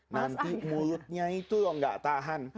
nanti mulutnya itu loh gak tahan